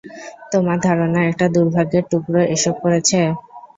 তোমার ধারণা একটা দুর্ভাগ্যের টুকরো এসব করেছে?